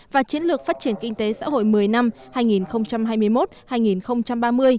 và chiến lược phát triển kinh tế xã hội một mươi năm hai nghìn hai mươi một hai nghìn ba mươi